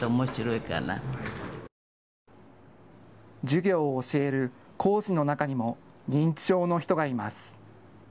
授業を教える講師の中にも認知症の人がいます。